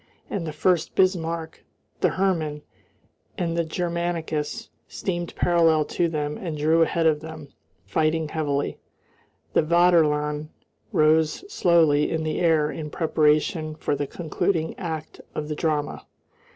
And the Furst Bismarck, the Hermann, and the Germanicus steamed parallel to them and drew ahead of them, fighting heavily. The Vaterland rose slowly in the air in preparation for the concluding act of the drama.